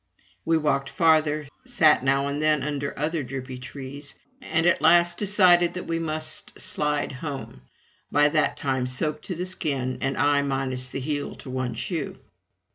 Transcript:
We walked farther, sat now and then under other drippy trees, and at last decided that we must slide home, by that time soaked to the skin, and I minus the heel to one shoe.